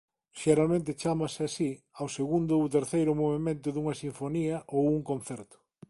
Xeralmente chámase así ao segundo ou terceiro movemento dunha sinfonía ou un concerto.